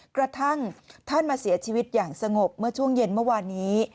กระทั่งท่านมาเสียชีวิตอย่างสงบเมื่อช่วงเย็นเมื่อวานนี้